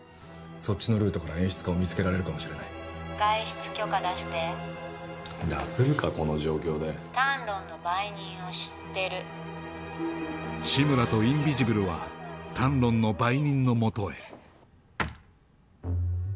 そっちのルートから演出家を見つけられるかもしれない外出許可出して出せるかこの状況でタンロンの売人を知ってる志村とインビジブルはタンロンの売人もとへ